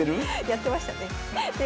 やってましたね。